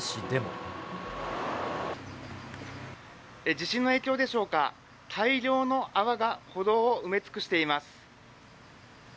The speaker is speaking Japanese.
地震の影響でしょうか、大量の泡が歩道を埋め尽くしています。